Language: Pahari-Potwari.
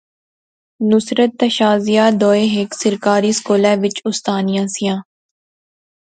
نصرت تے شازیہ دوئے ہیک سرکاری سکولے وچ اُستانیاں سیاں